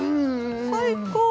最高！